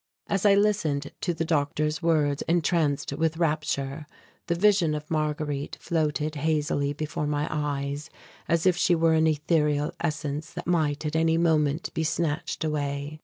As I listened to the doctor's words entranced with rapture, the vision of Marguerite floated hazily before my eyes as if she were an ethereal essence that might, at any moment, be snatched away.